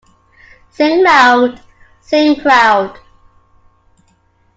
Sing Loud, Sing Proud!